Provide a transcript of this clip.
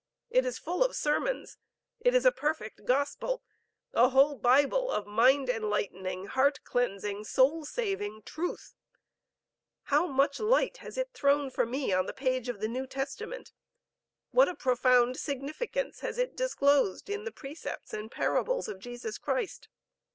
It is full of sermons. It is a perfect gospel, a whole Bible of mind enlightening, heart cleansing, soul saving truth. How much light has it thrown for me on the page of the New Testament! What a profound significance has it disclosed in the precepts and parables of Jesus Christ!